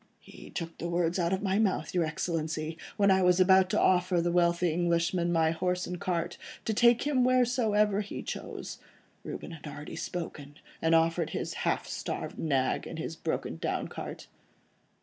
"He took the words out of my mouth, your Excellency; when I was about to offer the wealthy Englishman my horse and cart, to take him wheresoever he chose, Reuben had already spoken, and offered his half starved nag, and his broken down cart."